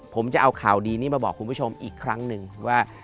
ผมจะเอาข่าวดีนี้มาบอกคุณผู้ชมอีกครั้งหนึ่งว่า